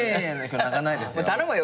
頼むよ